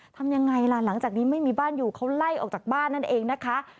ทำยังไงล่ะหลังจากนี้ไม่มีบ้านอยู่เขาไล่ออกจากบ้านนั่นเองนะคะ